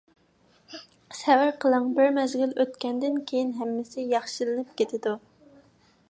سەۋر قىلىڭ. بىر مەزگىل ئۆتكەندىن كېيىن ھەممىسى ياخشىلىنىپ كېتىدۇ.